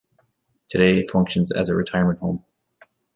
Today, it functions as a retirement home.